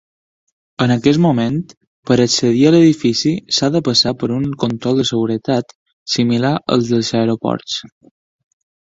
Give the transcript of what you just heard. En aquest moment, per accedir a l'edifici s'ha de passar per un control de seguretat similar al dels aeroports.